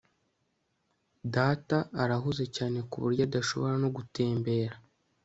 Data arahuze cyane kuburyo adashobora no gutembera